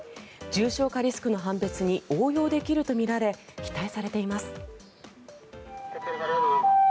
重症化リスクの判別に応用できるとみられ期待されています。